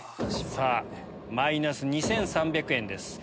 さぁマイナス２３００円です。